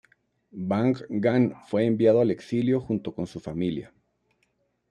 Bang-gan fue enviado al exilio junto con su familia.